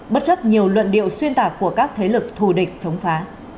bất chấp nhiều luận điệu xuyên tạc của các thế lực thù địch chống phá